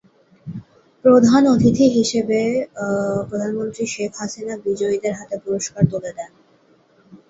প্রধান অতিথি হিসেবে প্রধানমন্ত্রী শেখ হাসিনা বিজয়ীদের হাতে পুরস্কার তুলে দেন।